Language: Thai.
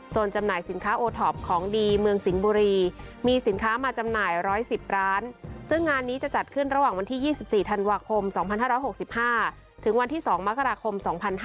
ส่วนจำหน่ายสินค้าโอท็อปของดีเมืองสิงห์บุรีมีสินค้ามาจำหน่าย๑๑๐ร้านซึ่งงานนี้จะจัดขึ้นระหว่างวันที่๒๔ธันวาคม๒๕๖๕ถึงวันที่๒มกราคม๒๕๕๙